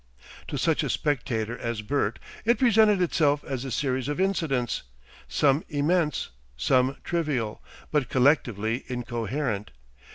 To such a spectator as Bert it presented itself as a series of incidents, some immense, some trivial, but collectively incoherent.